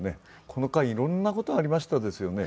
この間、いろいろなことがありましたよね。